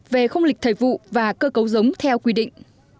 về không lịch thời vụ và cơ cấu giống theo quy định